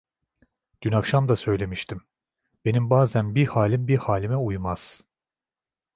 Dün akşam da söylemiştim, benim bazen bir halim bir halime uymaz.